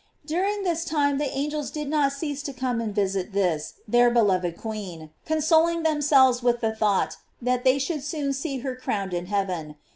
During this time the angels did not cease to come and visit this their beloved queen, consoling themselves with the thought that they should soon see her crowned in heaven.